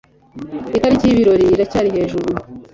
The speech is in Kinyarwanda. Itariki y'ibirori iracyari hejuru.